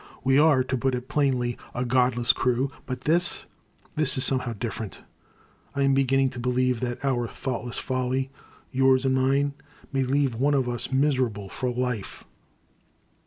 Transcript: We are, to put it plainly, a godless crew, but this — ^this is somehow different. I am begin ning to believe that our thoughtless folly — yours and mine, may leave one of us miserable for life.'